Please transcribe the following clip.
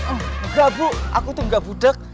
enggak bu aku tuh gak budeg